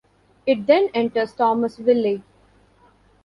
It then enters Thomasville.